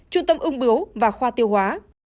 trung tâm ưng bướu và khoa tiêu hóa